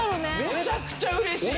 めちゃくちゃうれしい！